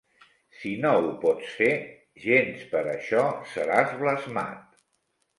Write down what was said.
Si no ho pots fer, gens per això seràs blasmat.